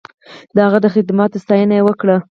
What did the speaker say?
د هغه د خدماتو ستاینه یې وکړه.